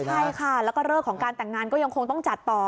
ใช่ค่ะแล้วก็เลิกของการแต่งงานก็ยังคงต้องจัดต่อ